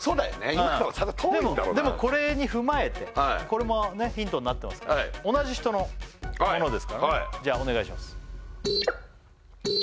今のは遠いんだろうなでもこれに踏まえてこれもヒントになってますから同じ人のものですからねはいはいじゃあお願いします